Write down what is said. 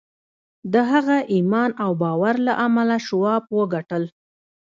د هغه ایمان او باور له امله شواب وګټل